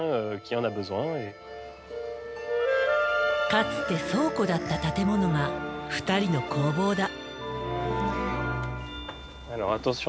かつて倉庫だった建物が２人の工房だ。